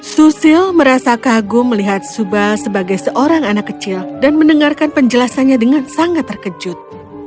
susil merasa kagum melihat suba sebagai seorang anak kecil dan mendengarkan penjelasannya dengan sangat terkejut